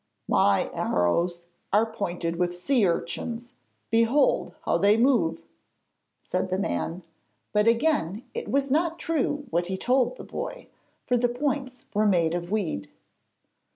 'My arrows are pointed with sea urchins; behold how they move,' said the man; but again it was not true what he told the boy, for the points were made of weed.